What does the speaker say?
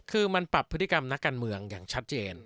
คือมันปรับพฤติกรรมนักการเมืองอย่างชัดเจน